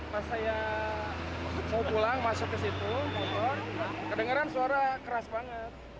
pas saya mau pulang masuk ke situ kedengaran suara keras banget